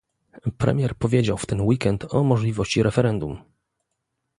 Premier powiedział w ten weekend o możliwości referendum